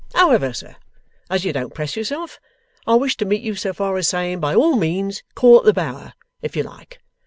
However, sir, as you don't press yourself, I wish to meet you so far as saying, by all means call at the Bower if you like.